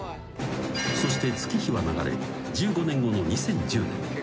［そして月日は流れ１５年後の２０１０年］